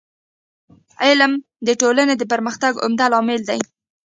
علم د ټولني د پرمختګ عمده عامل دی.